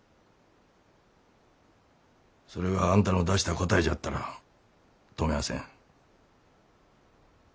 それがあんたの出した答えじゃったら止みゃあせん。